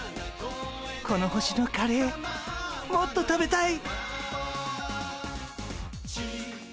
この星のカレーもっと食べたい。